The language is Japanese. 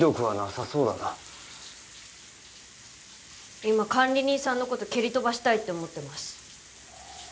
今管理人さんの事蹴り飛ばしたいって思ってます。